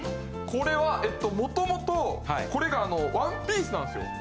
これは元々これがワンピースなんですよ。